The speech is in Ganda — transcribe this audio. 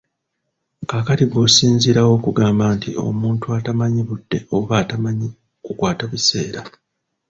Kaakati ggwe osinziira wa okugamba nti omuntu atamanyi budde oba atamanyi kukwata biseera.